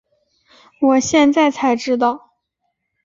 我现在才知道